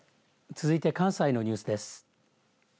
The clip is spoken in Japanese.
続いて、関西のニュースです。